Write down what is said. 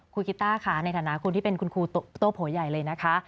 คุณกิตต้าค่ะในฐานะคุณที่เป็นคุณครูโต๊ะโผยัยเลยนะคะ